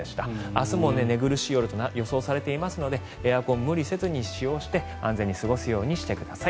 明日も寝苦しい夜と予想されていますのでエアコンを無理せずに使用して安全に過ごすようにしてください。